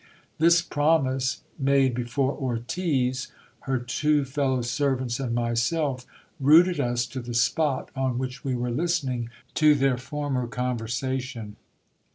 This promise, made before Ortiz, her two fellow servants, and myself, rooted us to the spot on which we were listening to their former conversation.